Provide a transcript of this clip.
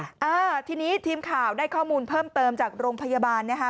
อ่าทีนี้ทีมข่าวได้ข้อมูลเพิ่มเติมจากโรงพยาบาลนะคะ